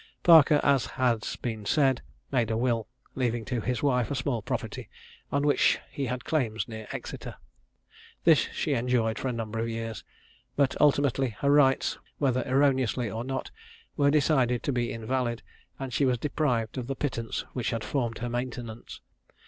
Parker, as has been said, made a will, leaving to his wife a small property on which he had claims near Exeter. This she enjoyed for a number of years, but ultimately her rights, whether erroneously or not, were decided to be invalid, and she was deprived of the pittance which had formed her maintenance.